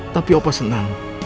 tapi opah senang